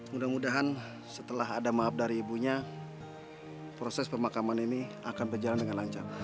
mudah mudahan setelah ada maaf dari ibunya proses pemakaman ini akan berjalan dengan lancar